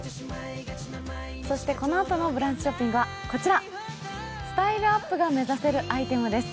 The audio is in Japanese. このあとのブランチショッピングは、こちら、スタイルアップが目指せるアイテムです。